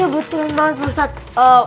betul banget ustadz